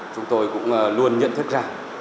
chúng tôi cũng luôn nhận thức ra